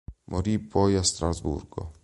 Morì poi a Strasburgo.